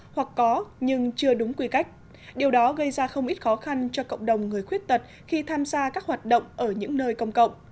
hoặc có nhưng chưa đúng quy cách điều đó gây ra không ít khó khăn cho cộng đồng người khuyết tật khi tham gia các hoạt động ở những nơi công cộng